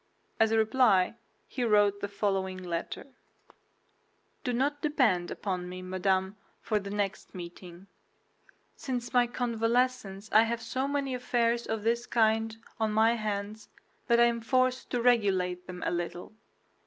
As a reply, he wrote the following letter: Do not depend upon me, madame, for the next meeting. Since my convalescence I have so many affairs of this kind on my hands that I am forced to regulate them a little.